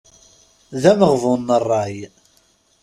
D ameɣbun n ṛṛay.